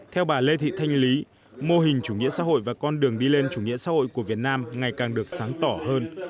theo bà lê thị thanh lý mô hình chủ nghĩa xã hội và con đường đi lên chủ nghĩa xã hội của việt nam ngày càng được sáng tỏ hơn